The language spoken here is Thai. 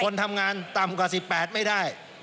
คนทำงานต่ำกว่า๑๘ไม่ได้